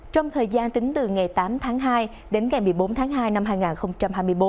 trong thời gian tính từ ngày tám tháng hai đến ngày một mươi bốn tháng hai năm hai nghìn hai mươi bốn